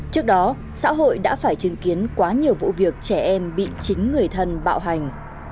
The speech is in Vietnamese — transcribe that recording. trước đó xã hội đã phải chứng kiến quá nhiều vụ việc trẻ em bị chính người thân bạo hành